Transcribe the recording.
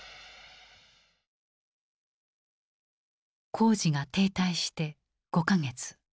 工事が停滞して５か月。